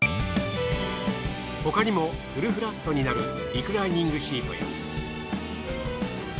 他にもフルフラットになるリクライニングシートや。